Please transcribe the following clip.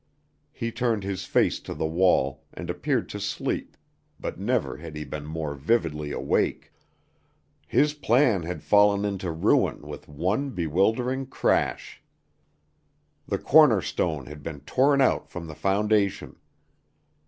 He turned his face to the wall, and appeared to sleep, but never had he been more vividly awake. His plan had fallen into ruin with one bewildering crash. The corner stone had been torn out from the foundation.